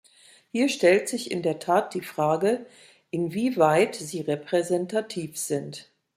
Hier stellt sich in der Tat die Frage, inwieweit sie repräsentativ sind.